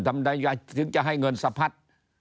ทำใดถึงจะให้เงินสะพัด